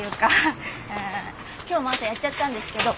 今日も朝やっちゃったんですけど。